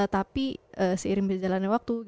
tapi seiring berjalannya waktu